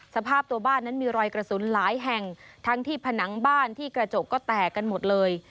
สภาพตัวบ้านนั้นมีรอยกระสุนหลายแห่งทั้งที่ผนังบ้านที่กระจกก็แตกกันหมดเลย